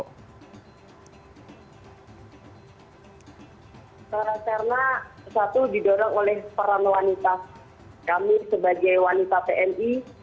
karena satu didorong oleh peran wanita kami sebagai wanita pmi